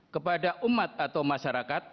kepada umat atau masyarakat